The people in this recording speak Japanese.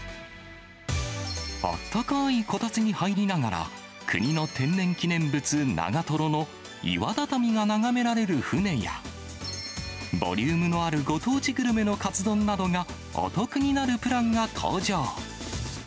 あったかーいこたつに入りながら、国の天然記念物、長瀞の岩畳が眺められる船や、ボリュームのあるご当地グルメのカツ丼などがお得になるプランが登場。